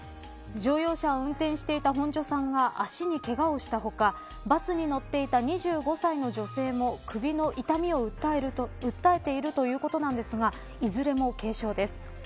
乗用車を運転していた本庶さんが足にけがをした他バスに乗ってい２５歳の女性も、首の痛みを訴えているということなんですがいずれも軽傷です。